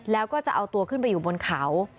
แล้วก็จะเอาตัวขึ้นไปอยู่บนเขา